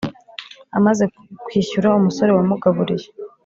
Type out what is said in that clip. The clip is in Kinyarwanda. amaze kwishyura umusore wamugaburiye